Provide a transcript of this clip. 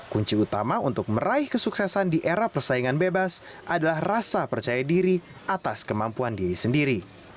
kunci utama untuk meraih kesuksesan di era persaingan bebas adalah rasa percaya diri atas kemampuan diri sendiri